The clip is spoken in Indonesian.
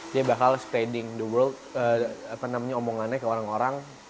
dia bakal spreading the world apa namanya omongannya ke orang orang